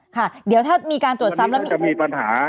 ค่ะเดี๋ยวถ้ามีการตรวจซ้ำแล้วมันจะมีปัญหา